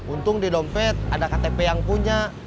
untung di dompet ada ktp yang punya